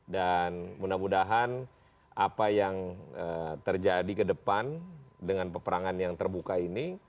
dan mudah mudahan apa yang terjadi kedepan dengan peperangan yang terbuka ini